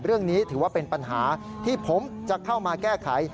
เรื่องนี้ถือว่าเป็นปัญหาที่ผมจะเข้ามาแก้ไข